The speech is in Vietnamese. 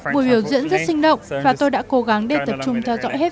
buổi biểu diễn rất sinh động và tôi đã cố gắng để tập trung theo dõi hết